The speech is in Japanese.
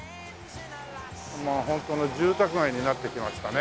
まあホントの住宅街になってきましたね。